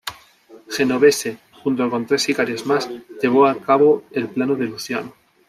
Genovese, junto con tres sicarios más, llevó a cabo el plan de Luciano.